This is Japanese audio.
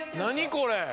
これ」